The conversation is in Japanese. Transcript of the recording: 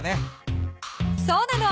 そうなの。